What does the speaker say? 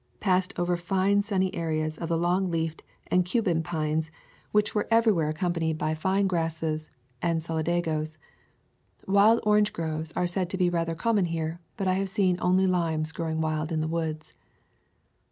Passed over fine sunny areas of the long leafed and Cuban pines, which were every [ 108 ] Florida Swamps and Forests where accompanied by fine grasses and solida goes. Wild orange groves are said to be rather common here, but I have seen only limes grow ing wild in the woods.